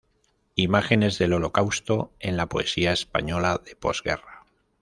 Imágenes del Holocausto en la poesía española de posguerra".